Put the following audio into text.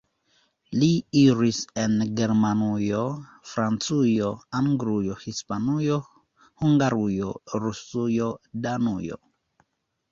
Li iris en Germanujo, Francujo, Anglujo, Hispanujo, Hungarujo, Rusujo, Danujo.